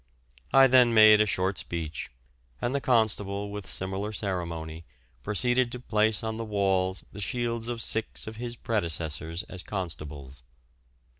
I then made a short speech, and the Constable, with similar ceremony, proceeded to place on the walls the shields of six of his predecessors as Constables.